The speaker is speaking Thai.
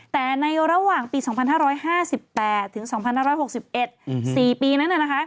แต่ในระหว่างปี๒๕๕๘ถึง๒๕๖๑๔ปีนั้น